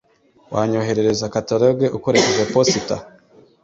Wanyoherereza kataloge ukoresheje posita?